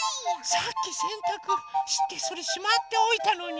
さっきせんたくしてそれしまっておいたのに。